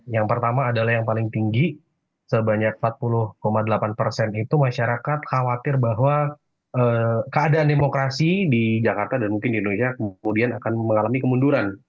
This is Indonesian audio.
yang pertama adalah yang paling tinggi sebanyak empat puluh delapan persen itu masyarakat khawatir bahwa keadaan demokrasi di jakarta dan mungkin di indonesia kemudian akan mengalami kemunduran